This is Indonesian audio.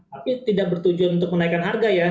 tapi tidak bertujuan untuk menaikkan harga ya